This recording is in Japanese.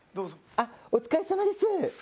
あっお疲れさまです。